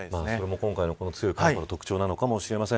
今回の寒波の特徴なのかもしれません。